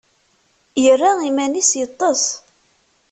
Yerra iman-is yeṭṭes.